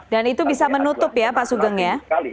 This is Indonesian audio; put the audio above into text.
dan itu bisa menutup ya pak sugeng ya